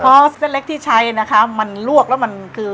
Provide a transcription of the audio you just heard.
พอสเส้นเล็กที่ใช้นะคะมันลวกแล้วมันคือ